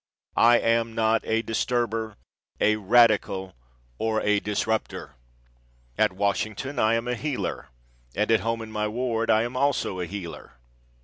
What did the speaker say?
I am not a disturber, a radical or a disrupter! At Washington I am a healer and at home in my ward I am also a heeler!